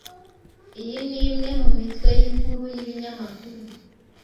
Iyi ni imwe mu mitwe y'inkuru y'ibinyamakuru,